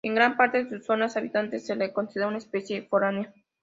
En gran parte de sus zonas habitadas se la considera una especie foránea.